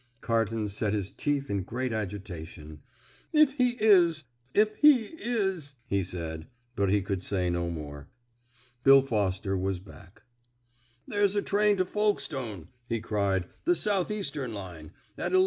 Carton set his teeth in great agitation. "If he is! if he is!" he said; but he could say no more. Bill Foster was back. "There's a train to Folkestone," he cried, "the South Eastern line, at 11.47.